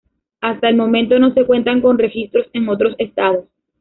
Hasta el momento no se cuenta con registros en otros estados.